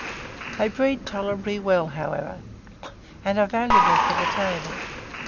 They breed tolerably well, however, and are valuable for the table.